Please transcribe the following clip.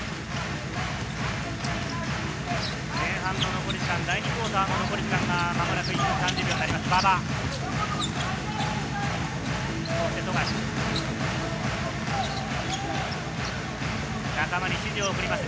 前半もう残り時間、第２クオーターの残り時間が間もなく１分３０秒になります。